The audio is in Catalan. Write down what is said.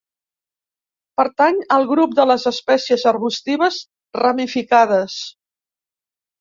Pertany al grup de les espècies arbustives ramificades.